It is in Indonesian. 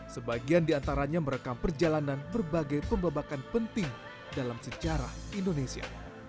sebagian di antaranya merekam perjalanan berbagai pembebakan penting dalam sejarah indonesia